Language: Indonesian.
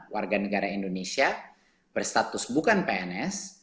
warga negara indonesia berstatus bukan pns